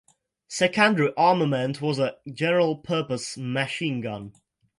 Secondary armament was a general purpose machine gun.